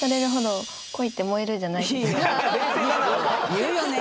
言うよね。